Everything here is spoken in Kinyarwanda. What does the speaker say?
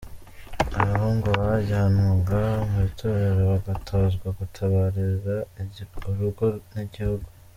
Abahungu bajyanwaga mu itorero bagatozwa gutabarira urugo n’igihugu.